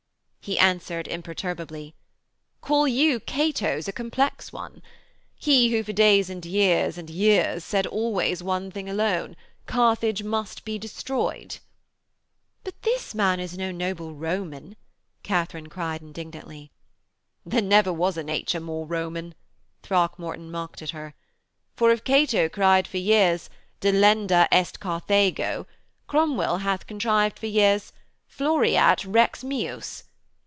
He answered imperturbably: 'Call you Cato's a complex one? He who for days and days and years and years said always one thing alone: "Carthage must be destroyed!"' 'But this man is no noble Roman,' Katharine cried indignantly. 'There was never a nature more Roman,' Throckmorton mocked at her. 'For if Cato cried for years: Delenda est Carthago, Cromwell hath contrived for years: _Floreat rex meus.